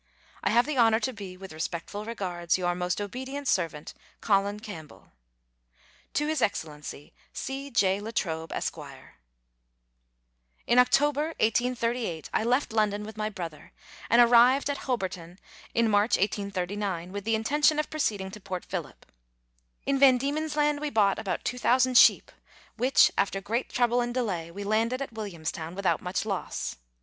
I have the honour to be, with respectful regards, Your most obedient servant, COLIN CAMPBELL. To His Excellency C. J. La Trobe, Esq. Letters from Victorian Pioneers. 223 In October 1838 I left London with my brother, and arrived at Hobarton in March 1839, with the intention of proceeding to Port Phillip. In VanDiemen's Land we bought about 2,000 sheep, which, after great trouble and delay, we landed at Williamstown without much loss.